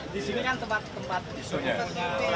di sini kan tempat tempat